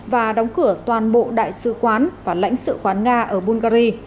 và đóng cửa toàn bộ đại sứ quán và lãnh sự quán nga ở bungary